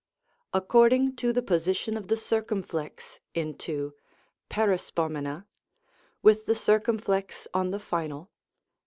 According to the position of the circumflex into: Perispomena, with the circumflex on the final.